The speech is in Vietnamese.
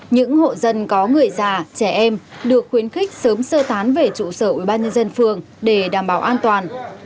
những hộ dân có người già trẻ em được khuyến khích sớm sơ tán về trụ sở ubnd phường để đảm bảo an toàn